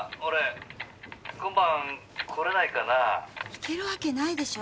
行けるわけないでしょ。